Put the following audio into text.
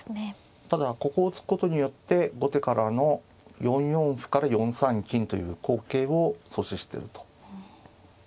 ただここを突くことによって後手からの４四歩から４三金という好形を阻止してると。